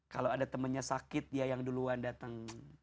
kalau ada temennya sakit dia yang duluan datang